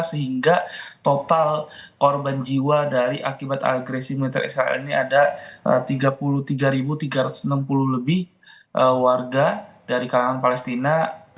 sehingga total korban jiwa dari akibat agresi meter israel ini ada tiga puluh tiga tiga ratus enam puluh lebih warga dari kalangan palestina